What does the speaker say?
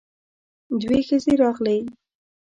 دوې ښځې راغلې.